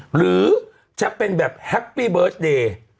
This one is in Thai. หรือจะเป็นแบบแฮปปี้เบิร์ตเดย์